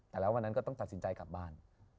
แต่แล้ววันนั้นก็ต้องตัดสินใจกลับบ้าน